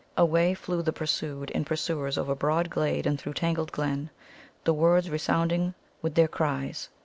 Away flew the pursued and pursuers over broad glade and through tangled glen, the woods resounding with their cries.